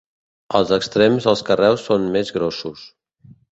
Als extrems els carreus són més grossos.